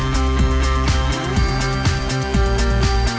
โปรดติดตามต่อไป